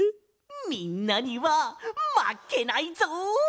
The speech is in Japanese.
みんなにはまけないぞ！